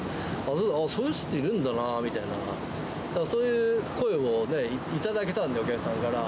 そうすると、そういう人いるんだなみたいな、そういう声をね、頂けたんで、お客さんから。